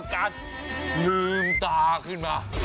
การลืมตาขึ้นมา